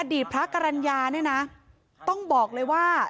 พระกรรณญาเนี่ยนะต้องบอกเลยว่า